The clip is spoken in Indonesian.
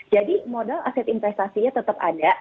jadi modal aset investasinya tetap ada